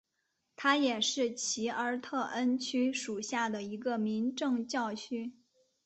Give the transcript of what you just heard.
它也是奇尔特恩区属下的一个民政教区。